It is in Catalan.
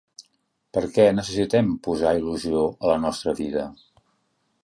Perquè necessitem posar il·lusió a la nostra vida?